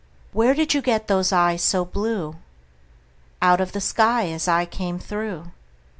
Where did you get those eyes so blue? Out of the sky as I came through.